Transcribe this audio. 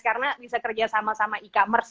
karena bisa kerja sama sama e commerce